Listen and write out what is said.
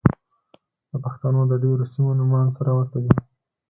د پښتنو د ډېرو سيمو نومان سره ورته دي.